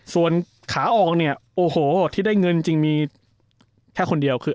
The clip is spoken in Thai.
ส่วนขาออกเนี่ยโอ้โหที่ได้เงินจริงมีแค่คนเดียวคือ